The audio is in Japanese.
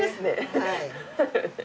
はい。